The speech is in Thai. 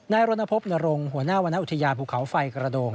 รณพบนรงค์หัวหน้าวรรณอุทยานภูเขาไฟกระโดง